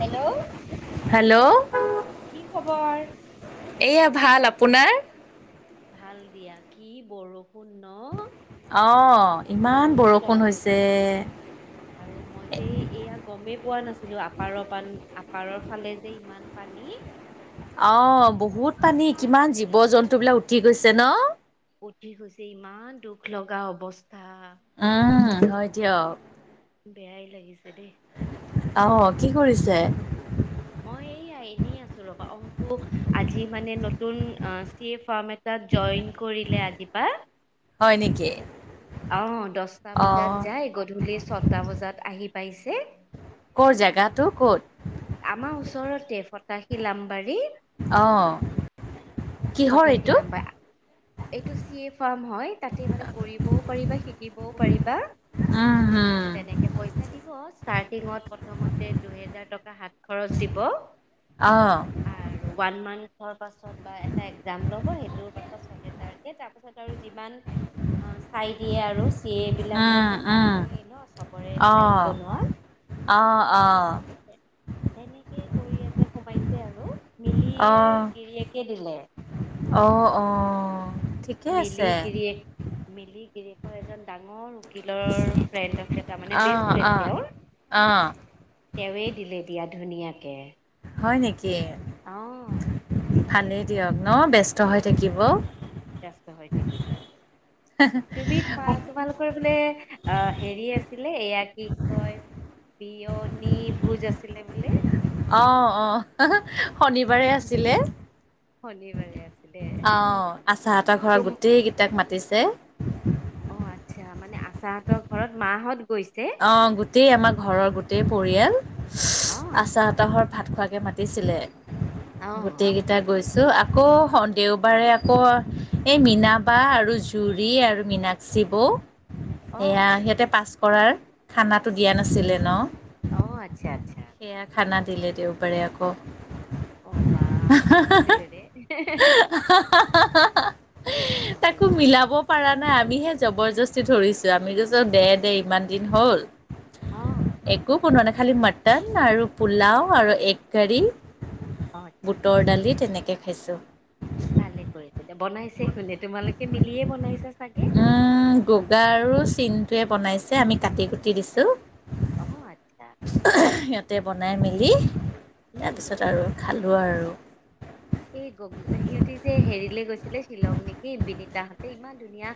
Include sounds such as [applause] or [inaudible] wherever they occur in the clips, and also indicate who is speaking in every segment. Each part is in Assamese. Speaker 1: হেল্ল'।
Speaker 2: হেল্ল'।
Speaker 1: কি খবৰ?
Speaker 2: এইয়া ভাল, আপোনাৰ?
Speaker 1: ভাল দিয়া, কি বৰষু
Speaker 2: অ', ইমান
Speaker 1: নন
Speaker 2: বৰষুণ
Speaker 1: ষ্টপ
Speaker 2: হৈছে।
Speaker 1: আৰু মই যে এয়া গমেই পোৱা নাছিলোঁ, আপাৰৰ পান, আপাৰৰ ফালে যে ইমান পানী।
Speaker 2: অ', বহুত পানী, কিমান জীৱ জন্তুবিলাক উটি গৈছে ন।
Speaker 1: উঠি গৈছে, ইমান দুখ লগা অৱস্থা।
Speaker 2: উম, হয় দিয়ক
Speaker 1: বেয়াই লাগিছে দেই
Speaker 2: অ', কি কৰিছে?
Speaker 1: মই এই, এনেই আছোঁ ৰবা অংকু আজি মানে নতুন এ, [unintelligible] এটাত জইন কৰিলে আজিপা
Speaker 2: হয় নেকি?
Speaker 1: অ', দহটা বজাত
Speaker 2: অ'
Speaker 1: যায়, গধূলি ছটা বজাত আহি পাইছে
Speaker 2: ক'ৰ জেগাটো ক'ত?
Speaker 1: আমাৰ ওচৰতে ফটাশিল আমবাৰী
Speaker 2: অ'। কিহৰ
Speaker 1: ফটাশিল
Speaker 2: এইটো
Speaker 1: অম্বা এইটো চি এ ফাৰ্ম হয় তাতে মানে কৰিবও পাৰিবা, শিকিবও পাৰিবা
Speaker 2: উম, হম
Speaker 1: তেনেকে পইছা দিব ষ্টাৰ্টিঙত প্ৰথমতে দুহেজাৰ টকা হাত খৰচ দিব
Speaker 2: অ
Speaker 1: আৰু ওৱান মান্থৰ পাছত বা এ টা একজাম ল'ব সেইটোৰ পাছত ছহেজাৰকে তাৰ পাছত আৰু যিমান অ চাই দিয়ে আৰু চি এ
Speaker 2: উম
Speaker 1: বিলাকৰতো কাম
Speaker 2: উম
Speaker 1: সেইয়েই ন চবৰে ফাইল
Speaker 2: অ' অ'
Speaker 1: বনোৱা
Speaker 2: অ'
Speaker 1: সেনেকে কৰি আছে সোমাইছে আৰু মিলিৰ
Speaker 2: অ'
Speaker 1: গিৰিয়েকে দিলে।
Speaker 2: অ অ ঠিক
Speaker 1: মিলি গিৰিয়েক মিলি গিৰিকৰ এজন ডাঙৰ উকিলৰ ফ্ৰেণ্ড আছে তাৰ মানে বেষ্ট
Speaker 2: অ'
Speaker 1: ফ্ৰেণ্ড
Speaker 2: অ'
Speaker 1: তেওঁৰ
Speaker 2: অ
Speaker 1: তেওঁৱে দিলে দিয়া ধুনীয়াকে
Speaker 2: হয় নেকি
Speaker 1: অ দিলে
Speaker 2: ভালেই দিয়ক
Speaker 1: ধুনীয়াকে
Speaker 2: ন ব্যস্ত হৈ থাকিব।
Speaker 1: ব্যস্ত হৈ থাকিব তুমি থোৱাত তোমালোকৰ বোলে অ, হেৰি আছিলে এয়া কি কয় বিয়নী ভোজ আছিলে বোলে।
Speaker 2: অ অ হ হ শনিবাৰে আছিলে
Speaker 1: শনিবাৰে আছিলে
Speaker 2: অহ আচাহঁতৰ ঘৰত
Speaker 1: তুম
Speaker 2: গোটেই কেইটাক মাতিছে
Speaker 1: অ আচ্ছা মানে আচাহঁতৰ ঘৰত মাঁহত গৈছে।
Speaker 2: অ, গোটেই আমাৰ ঘৰৰ গোটেই পৰিয়াল
Speaker 1: অ আচ্ছা
Speaker 2: আচাহতৰ ঘৰত ভাত খোৱাকে মাতিছিলে
Speaker 1: অ
Speaker 2: গোটেই কেইটাই গৈছো আ আকৌ দেওবাৰে আকৌ এই মীনা বা আৰু জুৰি আৰু মীনাক্ষী বৌ
Speaker 1: অ
Speaker 2: সেয়া সিহঁতে পাছ কৰাৰ খানাতো দিয়া নাছিলে ন।
Speaker 1: অ, আচ্ছা-আচ্ছা।
Speaker 2: সেয়া খানা দিলে দেওবাৰে আকৌ।
Speaker 1: অ বা আমাক নামাতিলে দে হে হে হে
Speaker 2: হা হা হা হে
Speaker 1: নহয়
Speaker 2: তাকো
Speaker 1: দে।
Speaker 2: মিলাব পৰা নাই আমিহে
Speaker 1: উম
Speaker 2: জবৰজস্তি ধৰিছো আমি কৈছো দে-দে ইমান দিন হ'ল
Speaker 1: অ
Speaker 2: একো বনোৱা নাই খালি মটন আৰু পোলাও আৰু এগ কাৰী
Speaker 1: অ আচ্ছা
Speaker 2: বুটৰ দালি তেনেকে খাইছো।
Speaker 1: ভালে কৰিছিল দে বনাইছে কোনে তোমালোকে মিলিয়ে বনাইছা চাগে
Speaker 2: অ গগা আৰু চিনটোৱে বনাইছে আমি কাটি কুটি দিছো।
Speaker 1: অ আচ্ছা
Speaker 2: সিহঁতে বনাই মেলি
Speaker 1: উম
Speaker 2: তাৰপিছত আৰু খালো আৰু
Speaker 1: এই গ সিহঁতে যে হেৰিলে গৈছিলে শ্বিলং নেকি বিনীতাহঁতে ইমান ধুনীয়া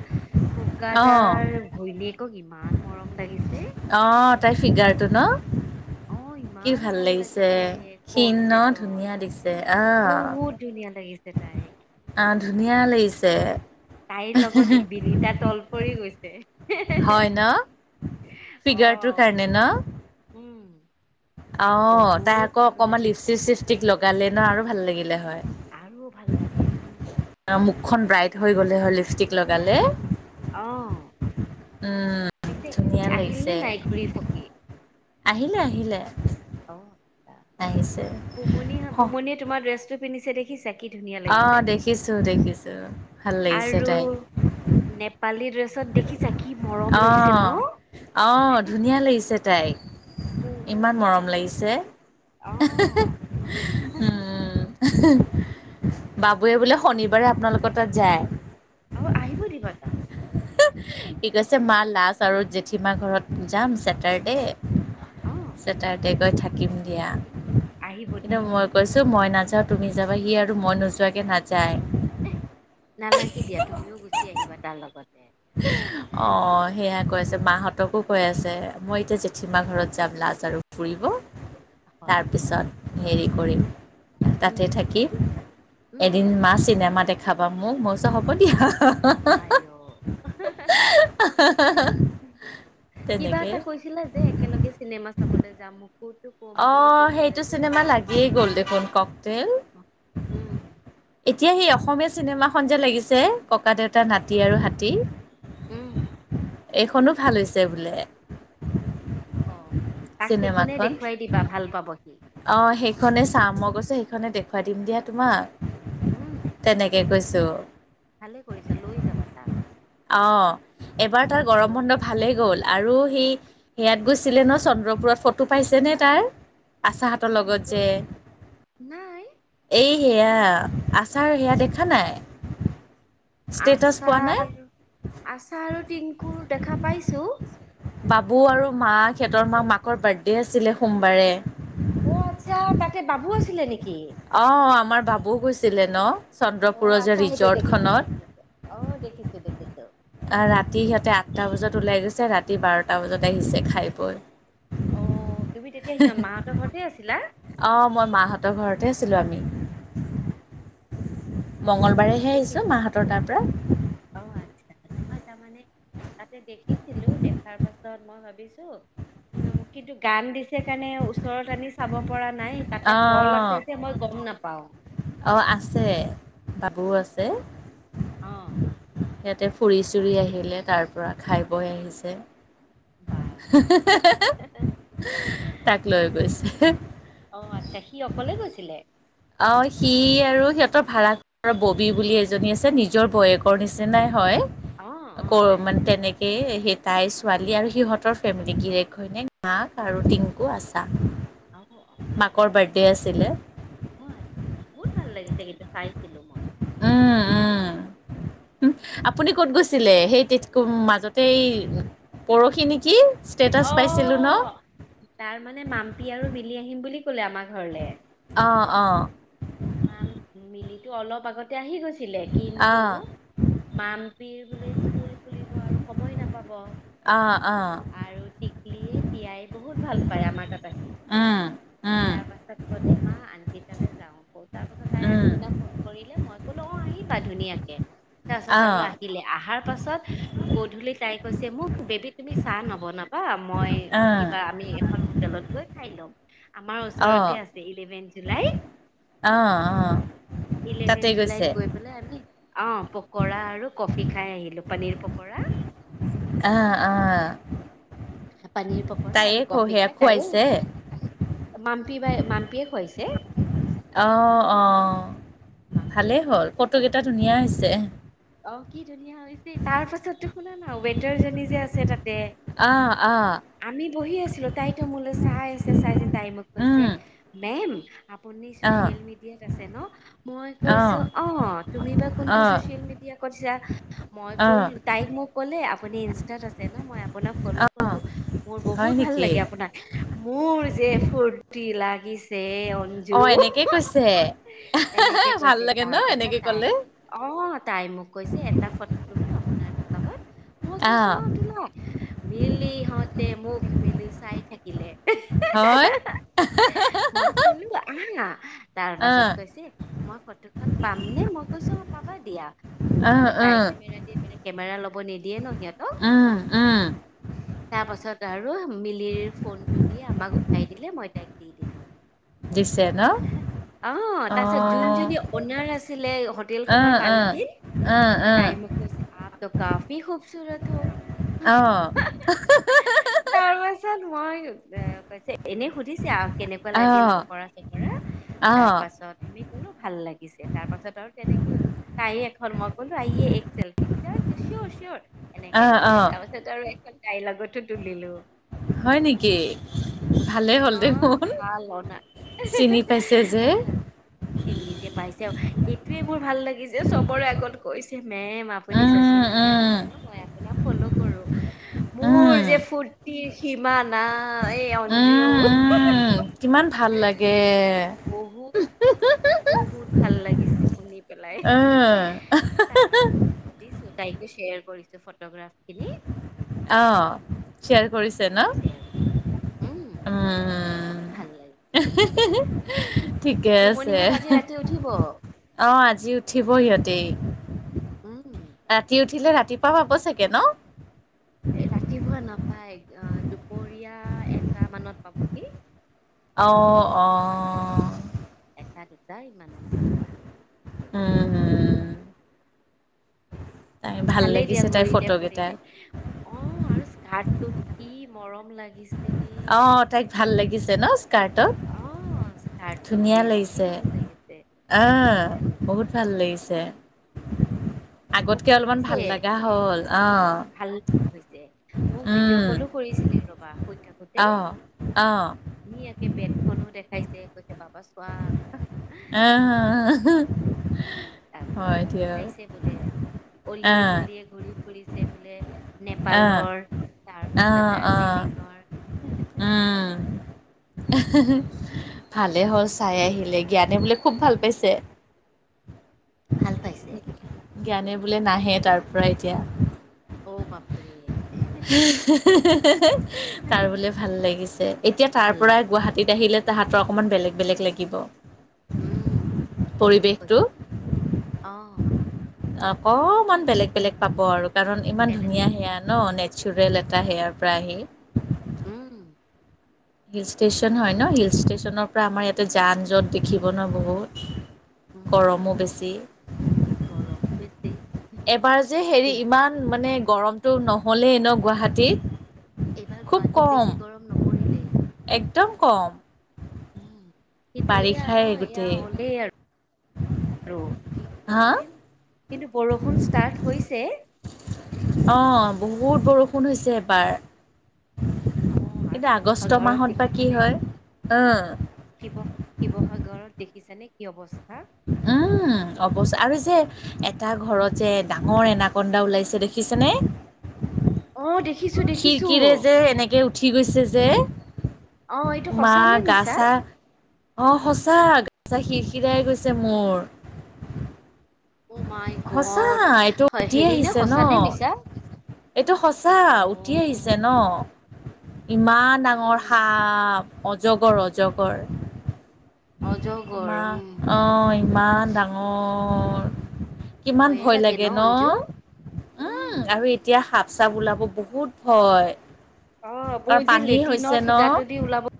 Speaker 2: অঁ
Speaker 1: গগাদাৰ ঘৈণীয়েকক ইমান মৰম লাগিছে।
Speaker 2: অ তাইৰ ফিগাৰটো ন। কি ভাল লাগিছে
Speaker 1: কট
Speaker 2: ক্ষীণ ন
Speaker 1: চছেটত
Speaker 2: ধুনীয়া দেখিছে অ
Speaker 1: বহুত ধুনীয়া লাগিছে তাইক।
Speaker 2: অহ ধুনীয়া লাগিছে
Speaker 1: তাইৰ লগত বিনীতা তল পৰি গৈছে।
Speaker 2: হয় ন
Speaker 1: অ
Speaker 2: ফিগাৰটোৰ কাৰণে ন
Speaker 1: উম। তাইক
Speaker 2: অঁ তাই
Speaker 1: বহুত
Speaker 2: আকৌ
Speaker 1: ভাল
Speaker 2: অকমান
Speaker 1: লাগিছে
Speaker 2: লিপষ্টিক চিপষ্টিক লগালে ন আৰু ভাল লাগিলে হয়।
Speaker 1: আৰু ভাল লাগে, উম।
Speaker 2: অঁ মুখখন ব্ৰাইট হৈ গ'লে হয়, লিপষ্টিক লগালে।
Speaker 1: অঁ।
Speaker 2: উম।
Speaker 1: পিছে সিহঁতি
Speaker 2: ধুনীয়া
Speaker 1: আহিল নে
Speaker 2: লাগিছে।
Speaker 1: নাই ঘূৰি পকি?
Speaker 2: আহিলে আহিলে।
Speaker 1: অঁ
Speaker 2: আহিছে।
Speaker 1: বুমনি বুমনিয়ে তোমাৰ ড্ৰেছটো পিন্ধিছে দেখিছে।
Speaker 2: অঁ দেখিছো দেখিছো, ভাল লাগিছে
Speaker 1: আৰু
Speaker 2: তাইক।
Speaker 1: নেপালী ড্ৰেছত দেখিছা, কি মৰম লাগিছে
Speaker 2: অ' অ'
Speaker 1: ন।
Speaker 2: ধুনীয়া লাগিছে তাইক
Speaker 1: বহুত
Speaker 2: ইমান
Speaker 1: ধুনীয়া
Speaker 2: মৰম লাগিছে,
Speaker 1: অ
Speaker 2: উম।
Speaker 1: ভাল লাগিছে
Speaker 2: বাবুৱে বোলে
Speaker 1: বহুত
Speaker 2: শনিবাৰে আপোনালোকৰ তাত যায়।
Speaker 1: অ আহিব দিবা তাক।
Speaker 2: সি কৈছে মা লাষ্ট আৰু জেঠীমা ঘৰত যাম ছেটাৰডে।
Speaker 1: অ
Speaker 2: ছেটাৰডে গৈ থাকিম দিয়া।
Speaker 1: আহিব
Speaker 2: কিন্তু
Speaker 1: দিবা
Speaker 2: মই
Speaker 1: তাক
Speaker 2: কৈছো মই নাযাওঁ, তুমি যাবা সি আৰু মই নোযোৱাকে নাযায়।
Speaker 1: নালাগে দিয়া তুমিও গুচি আহিবা তাৰ লগতে।
Speaker 2: অঁ সেয়া কৈছ ছে মাহঁতকো কৈ আছে, মই এতিয়া জেঠীমা ঘৰত যাম লাষ্ট আৰু ফুৰিব।
Speaker 1: হয় দিয়া
Speaker 2: তাৰপিছত হেৰি কৰিম। তাতে
Speaker 1: উম
Speaker 2: থাকি
Speaker 1: উম
Speaker 2: এদিন মা চিনেমা দেখাবা মোক, মই কৈছো হ'ব দিয়া।
Speaker 1: আই অ, কিবা
Speaker 2: তেনেকৈ
Speaker 1: এটা কৈ কৈছিলে যে একেলগে চিনেমা চাবলৈ যাম মোক।
Speaker 2: অঁ, সেইটো চিনেমা লাগিয়েই গ'ল দেখোন ককটেইল।
Speaker 1: উম
Speaker 2: এতিয়া সেই অসমীয়া চিনেমাখন যে লাগিছে ককা দেউতা নাতি আৰু হাতী।
Speaker 1: উম।
Speaker 2: এইখনো ভাল হৈছে বোলে।
Speaker 1: অঁ তাক সেইখনেই
Speaker 2: চিনেমাখন
Speaker 1: দেখুৱাই দিবা ভাল পাব সি।
Speaker 2: অঁ সেইখনে চাম, মই কৈছো সেইখনে দেখুৱাই দিম দিয়া তোমাক।
Speaker 1: উম।
Speaker 2: তেনেকে কৈছোঁ।
Speaker 1: ভালে কৰিছা লৈ যাবা তাক।
Speaker 2: অঁ, এইবাৰ তাৰ গৰম
Speaker 1: আৰু
Speaker 2: বন্ধত ভালেই গ'ল, আৰু হি সেয়াত গৈছিলে ন চন্দ্ৰপুৰত ফটো পাইছেনে তাৰ? আচাহতঁৰ লগত
Speaker 1: চন্দ্ৰ
Speaker 2: যে।
Speaker 1: নাই
Speaker 2: এই সেয়া আচাৰ সেয়া দেখা না? ষ্টেটাছ পোৱা নাই?
Speaker 1: আচাৰ আৰু টিংকুৰ দেখা পাইছোঁ।
Speaker 2: বাবু আৰু মাক সেহঁতৰ মাক মাকৰ বাৰ্থডে আছিলে সোমবাৰে।
Speaker 1: অ আচ্ছা তাতে বাবু আছিলে নেকি?
Speaker 2: অঁ, আমাৰ বাবু গৈছিলে ন
Speaker 1: অ
Speaker 2: চন্দ্ৰপুৰ যে
Speaker 1: আচ্ছা সেইটো দেখিছো
Speaker 2: ৰিজৰ্টখনত।
Speaker 1: দেখিছো অ দেখিছো দেখিছো।
Speaker 2: আঁহ ৰাতি সিহঁতে আঠটা বজাত ওলাই গৈছে, ৰাতি বাৰটা বজাত আহিছে খাই বৈ।
Speaker 1: অ' তুমি তেতিয়া সিহঁত মাহঁতৰ ঘৰতে আছিলা?
Speaker 2: অ' মই মাহঁতৰ ঘৰতে আছিলো আমি। মঙল
Speaker 1: অ
Speaker 2: বাৰেহে আহিছোঁ
Speaker 1: দেখিছো
Speaker 2: মাহঁতৰ তাৰপৰা।
Speaker 1: অ' আচ্ছা নহয় তাৰমানে তাতে দেখিছিলো দেখাৰ পাছত মই ভাবিছো, কিন্তু গান দিছে কাৰণে ওচৰত আনি চাব পৰা নাই। তাতে পল
Speaker 2: অ',
Speaker 1: আছে যে মই গম নাপাওঁ।
Speaker 2: অ' আছে বাবুও আছে।
Speaker 1: অ'।
Speaker 2: সিহঁতে ফুৰি চুৰি আহিলে, তাৰপৰা খাই বৈ আহিছে।
Speaker 1: বা
Speaker 2: তাক লৈ গৈছে।
Speaker 1: অ' আচ্ছা সি অকলে গৈছিলে?
Speaker 2: অ' সি আৰু সিহঁতৰ ভাড়া ববি বুলি এজনী আছে, নিজৰ বৌয়েকৰ নিচিনাই হয়
Speaker 1: অ অ
Speaker 2: ক
Speaker 1: তাই
Speaker 2: মানে তেনেকে সেই তাইৰ ছোৱালী আৰু সিহঁতৰ ফেমিলি গিৰেক ঘৈণীয়েক, মাক আৰু টিংকু আছা।
Speaker 1: অ অ
Speaker 2: মাকৰ বাৰ্থদে আছিলে।
Speaker 1: বহুত ভাল লাগিছে, কিন্তু চাইছিলো মই।
Speaker 2: উম, উম। আপুনি ক'ত গৈছিলে সেই তেতিয়া মাজতে এই পৰহি নেকি? ষ্টেটাছ পাইছিলোঁ ন?
Speaker 1: তাৰমানে মাম্পী আৰু মিলি আহিম বুলি ক'লে আমাৰ ঘৰলে।
Speaker 2: অ', অ'।
Speaker 1: মাম, মিলিটো অলপ আগতে আহি গৈছিলে কিন্তু
Speaker 2: অ',
Speaker 1: মাম্পীৰ বোলে স্কুল খুলিব আৰু সময় নাপাব।
Speaker 2: অ', অ'।
Speaker 1: আৰু টিকলিয়ে তিয়াই বহুত ভাল পায় আমাৰ তাত আহি। তাৰ পাছত
Speaker 2: উম।
Speaker 1: ক'লে মা আন্টি তালৈ যাওঁ তাৰ পাছত তাই আগদিনা ফোন কৰিলে মই ক'লো অ' আহিবা ধুনীয়াকে তাৰপাছত আৰু আহিলে। আহাৰ পাছত গধূলি তাই কৈছে মোক বেবী তুমি চাহ নবনা‌ বা মই কিবা আমি এখন হোটেলত গৈ খাই লম আমাৰ ওচৰতে আছে ইলেভেন জুলাই
Speaker 2: অ', অ'।
Speaker 1: ইলেভেন জুলাইত গৈ বোলে আমি অ' পকৰা আৰু কফি খাই আহিলো, পানীৰ পকৰা।
Speaker 2: আহ, আহ।
Speaker 1: পানীৰ পকৰা আৰু
Speaker 2: ক
Speaker 1: কফি
Speaker 2: সেয়া
Speaker 1: খাই তাই
Speaker 2: খুৱাইছে
Speaker 1: মাম্পী বাই, মাম্পীয়েে খুৱাইছে।
Speaker 2: অ', অ'
Speaker 1: মাম্পীয়ে
Speaker 2: ভালেই হ'ল
Speaker 1: খুৱাইছে
Speaker 2: ফটো
Speaker 1: তাক
Speaker 2: কেইটা ধুনীয়া হৈছে।
Speaker 1: অ' কি ধুনীয়া হৈছে তাৰ পাছতো শুনা না ৱেটাৰ জনী যে আছে তাতে
Speaker 2: অ', অ'।
Speaker 1: আমি বহি আছিলো তাইতো মোলৈ চাই আছে চাই আছে, তাই মোক কৈছে
Speaker 2: উম,
Speaker 1: মেম আপুনি
Speaker 2: অ',
Speaker 1: চচিয়েল মিডিয়াত আছে ন? মই কৈছো
Speaker 2: অ',
Speaker 1: অ' তুমি বা কোনটো
Speaker 2: অ',
Speaker 1: ছচিয়েল মিডিয়া কৈছা মই ক'ল
Speaker 2: অ',
Speaker 1: তাইক মোক ক'লে আপুনি ইনষ্টাত আছে ন মই আপোনাক ফ'ল'
Speaker 2: অ',
Speaker 1: কৰো মোৰ
Speaker 2: হয়
Speaker 1: বহুত ভাল
Speaker 2: নেকি
Speaker 1: লাগে আপোনাক। মোৰ যে ফুৰ্তি লাগিছে
Speaker 2: অ',
Speaker 1: অঞ্জু
Speaker 2: এনেকে কৈছে? এ
Speaker 1: এনেকে
Speaker 2: ভাল
Speaker 1: কৈছে
Speaker 2: লাগে ন
Speaker 1: তাৰমেটা
Speaker 2: এনেকে
Speaker 1: তাই
Speaker 2: ক'লে
Speaker 1: অ', তাই মোক কৈছে এটা ফটো তুলো আপোনাৰ লগত। মই কৈছো অ', তোলা। মিলিহঁতে মুখ মেলি চাই থাকিলে।
Speaker 2: হয়?
Speaker 1: মই ক'লো আহা-তাৰ পাছত
Speaker 2: অ',
Speaker 1: কৈছে মই ফটোখন পাম নে? মই কৈছো অ', পাবা দিয়া। মই
Speaker 2: অ',
Speaker 1: তাই
Speaker 2: উম,
Speaker 1: কেমেৰা দিয়ে মানে কেমেৰা ল'ব নিদিয়ে ন', সিহঁতক।
Speaker 2: উম, উম,
Speaker 1: তাৰপাছত তাৰু মিলিৰ ফোনটো দি আমাক উঠাই দিলে, মই তাইক দি দিলোঁ।
Speaker 2: দিছে ন
Speaker 1: অ', তাচ
Speaker 2: অ',
Speaker 1: যোনজনী অনাৰ আছিলে হোটেলখনৰ
Speaker 2: অ',
Speaker 1: মালকন।
Speaker 2: অ',
Speaker 1: তাই মোক কৈছে- আপট' কাফি খুবসূুৰত হ'।
Speaker 2: অ'।
Speaker 1: তাৰ পাছত মই এ কৈছে- এনে সুধিছে আউ কেনেকুৱা লাগিল পকৰা চকৰা,
Speaker 2: অ',
Speaker 1: তাৰপাছত আমি ক'লো ভাল লাগিছে। তাৰ পাছত আৰু তেনেকে তাই এখন মই ক'লো আইয়ে এক চেলফি, [unintelligible] চি'অৰ চিঅ'ৰ। এনেকে কৈছে
Speaker 2: অ',
Speaker 1: তাৰ পাছত আৰু এখন তাইৰ লগতো তুলিলো।
Speaker 2: হয় নেকি? ভালে হ'ল
Speaker 1: ইমান
Speaker 2: দেখোন।
Speaker 1: ভাল অনা
Speaker 2: চিনি পাইছে যে।
Speaker 1: অনা চিনি যে পাইছে অ'। এইটোৱে মোৰ ভাল লাগি যে চবৰে আগত। কৈছে- মেম আপুনি
Speaker 2: উম,
Speaker 1: চচিয়েল মিডিয়াত
Speaker 2: উম,
Speaker 1: আছে ন'? মই আপোনাক ফ'ল' কৰো। মোৰ
Speaker 2: উম,
Speaker 1: যে ফূুৰ্তিৰ সীমা না এই অঞ্জু
Speaker 2: উম, উম, কিমান ভাল লাগে।
Speaker 1: বহুত বহুত ভাল লাগিছে শুনি পেলাই।
Speaker 2: উম,
Speaker 1: তাৰপাছতে দিছোঁ। তাইকো শ্বেয়াৰ কৰিছো ফটোগ্ৰাফখিনি।
Speaker 2: অ', শ্বেয়াৰ কৰিছে ন'?
Speaker 1: শ্বেয়াৰ, উম।
Speaker 2: আ
Speaker 1: ভাল লাগিছে
Speaker 2: ঠিকে আছে।
Speaker 1: পুমণিহঁত আজি ৰাতি উঠিব
Speaker 2: অ', আজি উঠিব সিহঁতি।
Speaker 1: উম।
Speaker 2: ৰাতি উঠিলে ৰাতিপুৱা পাব চাগে ন'?
Speaker 1: ৰাতিপুৱা নাপায়, দুপৰীয়া এটা মানত পাবহি।
Speaker 2: অউ অ'।
Speaker 1: এটা-দুটা ইমানত।
Speaker 2: আ, হা। তাই ভাল
Speaker 1: ভালেই দিয়া
Speaker 2: লাগিছে তাইৰ
Speaker 1: ঘূৰিলে
Speaker 2: ফটোকেইটা
Speaker 1: ফুৰিলে। অ', আৰু স্কাৰ্টটোত কি মৰম লাগ
Speaker 2: অ' তাইক ভাল লাগিছে ন'। কাৰ্টত।
Speaker 1: অ', স্কাৰ্টটোত
Speaker 2: ধুনীয়া
Speaker 1: বেছি
Speaker 2: লাগিছে,
Speaker 1: ভাল লাগিছে।
Speaker 2: আ বহুত ভাল লাগিছে।
Speaker 1: মোক
Speaker 2: আগতকে অলপমান
Speaker 1: কৰিছে,
Speaker 2: ভাল লগা হ'ল অঁ
Speaker 1: ভাল হৈছে। মোক ভিডিঅ' ক'লো কৰিছ লে ৰ'বা। শৈ থাক
Speaker 2: আঅ' আঅ'।
Speaker 1: ধুনীয়াকে বেগখনো দেখাইছে, কৈছে বাবা চোৱা।
Speaker 2: আ।
Speaker 1: তাৰপিছত আৰু খাইছে বোলে অলিয়ে
Speaker 2: আহ
Speaker 1: গলিয়ে ঘূৰি ফুৰিছে বোলে
Speaker 2: আহ
Speaker 1: নেপালৰ তাৰপাছত
Speaker 2: আহ আহ
Speaker 1: দাৰ্জিলিঙৰ হে হে
Speaker 2: এহ হে হে ভালেই হ'ল চাই আহিলে জ্ঞানে বোলে খুব ভাল পাইছে
Speaker 1: উম, ভাল পাইছ
Speaker 2: জ্ঞানে বোলে নাহে তাৰ পৰা এতিয়া
Speaker 1: অ বাপৰে
Speaker 2: হেহ হে হে হে হে তাৰ বোলে ভাল লাগিছে এতিয়া তাৰ
Speaker 1: ভাল
Speaker 2: পৰাই
Speaker 1: লাগে
Speaker 2: গুৱাহাটী তেতিয়া আহিলে তাহাঁতৰ অকণমান বেলেগ বেলেগ লাগিব
Speaker 1: উম ঠিকে কৈছা অ
Speaker 2: অকমান বেলেগ বেলেগ পাব আৰু কাৰণ ইমান
Speaker 1: বেলেগ
Speaker 2: ধুনীয়া
Speaker 1: বেলেগ
Speaker 2: সেয়া ন নেচাৰেল এটা হেয়াৰ পৰা আহি।
Speaker 1: উম,
Speaker 2: হিল ষ্টেচন হয় ন, হিল ষ্টেচনৰ পৰা আমাৰ ইয়াতে যান জঁট দেখিব ন বহুত।
Speaker 1: উম।
Speaker 2: গৰমো বেছি, [inaudible]
Speaker 1: গৰম বেছি
Speaker 2: এবাৰ যে
Speaker 1: কি
Speaker 2: হেৰি ইমান মানে গৰমতটো নহ'লেই ন গুৱাহাটীত।
Speaker 1: এইবাৰ
Speaker 2: খুব
Speaker 1: গুৱাহাটীত
Speaker 2: কম
Speaker 1: বেছি গৰম নপৰিলেই।
Speaker 2: একদম কম।
Speaker 1: উম, কিন্তু এয়া ন
Speaker 2: বাৰিষাই
Speaker 1: এয়া
Speaker 2: গোটেই
Speaker 1: হ'লেই আৰু [inaudible] কি
Speaker 2: হা
Speaker 1: কয় কিন্তু বৰষুণ ষ্টাৰ্ট হৈছে।
Speaker 2: অ', বহুত বৰষুণ হৈছে এইবাৰ।
Speaker 1: অ
Speaker 2: [inaudible]
Speaker 1: আৰু
Speaker 2: এতিয়া আগষ্ট
Speaker 1: শিৱসাগৰত
Speaker 2: মাহত বা কি
Speaker 1: দেখিছানে
Speaker 2: হয়, অ', [inaudible]
Speaker 1: শিৱ শিৱসাগৰত দেখিছানে কি অৱস্থা।
Speaker 2: উম, [unintelligible] আৰু যে এটা ঘৰত যে ডাঙৰ এনাকন্দা ওলাইছে দেখিছে নে?
Speaker 1: অঁ', দেখিছোঁ দেখিছোঁ।
Speaker 2: এই উঠি গৈছে যে
Speaker 1: অ এইটো
Speaker 2: [inaudible] মা
Speaker 1: সঁচা নে
Speaker 2: গা
Speaker 1: মিছা
Speaker 2: চা। অ', সঁচা গাঁ-চা শিৰ শিৰাই গৈছে মোৰ।
Speaker 1: অ মাই
Speaker 2: সঁচা
Speaker 1: গড
Speaker 2: এইটো
Speaker 1: হয়
Speaker 2: উতি
Speaker 1: হেৰি নে
Speaker 2: আহিছে ন।
Speaker 1: সঁচা নে মিছা
Speaker 2: এইটো সঁচা।
Speaker 1: অহ
Speaker 2: উ উটি আহিছে ন ইমান ডাঙৰ
Speaker 1: উম
Speaker 2: সাপ। অজগৰ, অজগৰ [inaudible]
Speaker 1: অজগৰ
Speaker 2: মা
Speaker 1: উম
Speaker 2: অ', ইমান ডাঙৰ। কিমান ভয় লাগে ন, উম আৰু এ এতিয়া সাপ-চাপ ওলাব বহুত ভয়
Speaker 1: অ', বৌ
Speaker 2: কাৰণ
Speaker 1: যে
Speaker 2: পানী হৈছে
Speaker 1: লেট্ৰিনৰ
Speaker 2: ন।
Speaker 1: ফুটাটো দি ওলাব